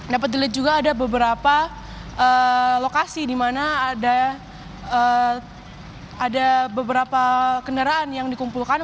dapat dilihat juga ada beberapa lokasi di mana ada beberapa kendaraan yang dikumpulkan